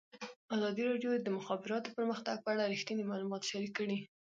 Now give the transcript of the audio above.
ازادي راډیو د د مخابراتو پرمختګ په اړه رښتیني معلومات شریک کړي.